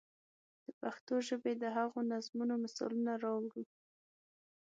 د پښتو ژبې د هغو نظمونو مثالونه راوړو.